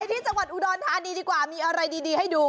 ที่จังหวัดอุดรธานีดีกว่ามีอะไรดีให้ดู